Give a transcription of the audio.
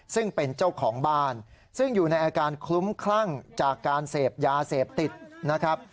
ซึ่งเป็นเจ้าของบ้านซึ่งอยู่ในอาการคลุ้มคลั่งจากการเสพยาเสพติดนะครับ